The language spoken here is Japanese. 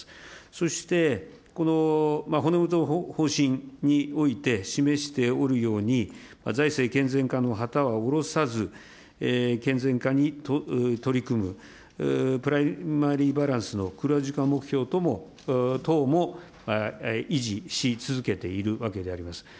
そして、骨太の方針において示しておるように、財政健全化の旗は下ろさず、健全化に取り組む、プライマリーバランスの黒字化目標とも、維持し続けているわけであります。